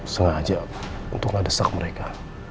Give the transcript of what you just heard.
sengaja untuk ngedesek mereka